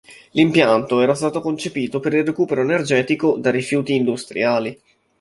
L'impianto era stato concepito per il recupero energetico da rifiuti industriali.